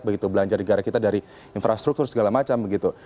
begitu belanja negara kita dari infrastruktur segala macam begitu